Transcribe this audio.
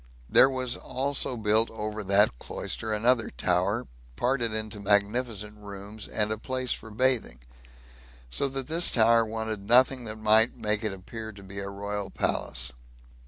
There was also built over that cloister another tower, parted into magnificent rooms, and a place for bathing; so that this tower wanted nothing that might make it appear to be a royal palace.